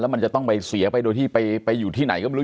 มันจะต้องไปเสียไปโดยที่ไปอยู่ที่ไหนก็ไม่รู้